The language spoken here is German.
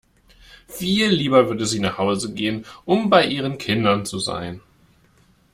Viel lieber würde sie nach Hause gehen, um bei ihren Kindern zu sein.